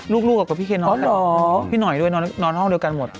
ลูกกับพี่เคนนอนกันพี่หน่อยด้วยนอนห้องเดียวกันหมด